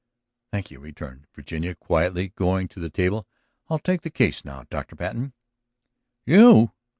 "Thank you," returned Virginia quietly, going to the table. "I'll take the case now, Dr. Patten." "You?"